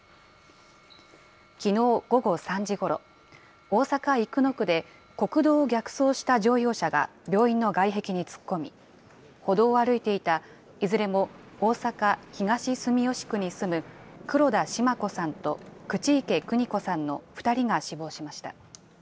きのう午後３時ごろ、大阪・生野区で、国道を逆走した乗用車が、病院の外壁に突っ込み、歩道を歩いていた、いずれも大阪・東住吉区に住む黒田シマ子さんと口池邦子さんの２人が死亡しました。